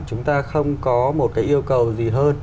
chúng ta không có một cái yêu cầu gì hơn